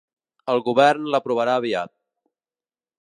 El govern l’aprovarà aviat.